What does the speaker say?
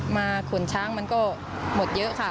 ขนช้างมันก็หมดเยอะค่ะ